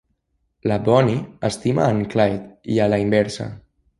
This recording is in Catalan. La Boonie estima en Clyde i a la inversa.